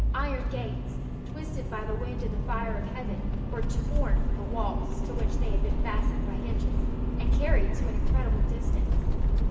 Iron gates, twisted by the wind and the fire of heaven, were torn from the walls to which they had been fastened by hinges, and carried to an incredible distance.